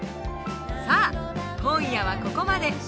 さあ今夜はここまで！